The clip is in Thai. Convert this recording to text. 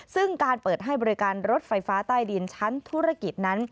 ซึ่งการเปิดให้บริการรถไฟฟ้าใต้ดินชั้นธุรกิจนั้น